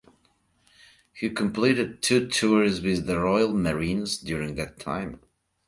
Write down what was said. He completed two tours with the Royal Marines during that time.